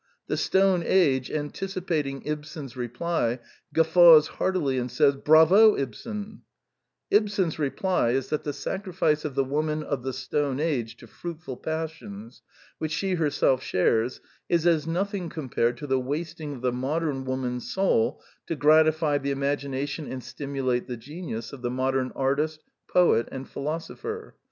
The Stone Age, anticipating Ibsen's reply, guffaws heartily and says, Bravo, Ibsen I " Ibsen's reply is that the sacrifice of the woman of the Stone Age to fruitful passions which she herself shares is as nothing compared to the wasting of the modern woman's soul to gratify the imagination and stimulate the genius of the modern artist, poet, and philosopher.